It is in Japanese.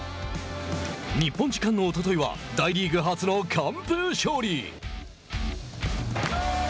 日本時間のおとといは大リーグ初の完封勝利。